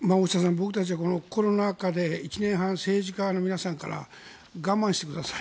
僕たちはこのコロナ禍で１年半、政治家の皆さんから我慢してください